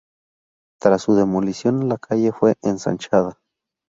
Tras su demolición la calle fue ensanchada.